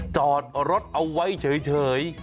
จอดรถเอาไว้เฉย